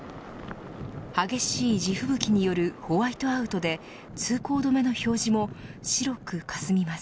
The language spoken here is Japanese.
激しい地吹雪によるホワイトアウトで通行止めの表示も白くかすみます。